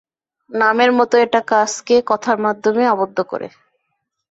নামের মতোই, এটা কার্সকে কথার মাধ্যমে আবদ্ধ করে।